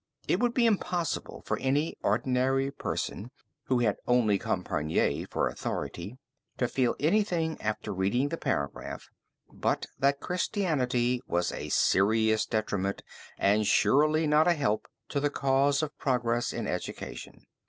It would be impossible for any ordinary person who had only Compayré for authority to feel anything after reading the paragraph, but that Christianity was a serious detriment and surely not a help to the cause of progress in education.